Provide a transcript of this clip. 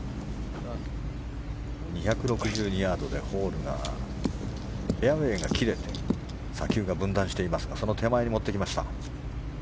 ２６２ヤードでホールがフェアウェーが切れて砂丘が分断していますがその手前に持ってきました。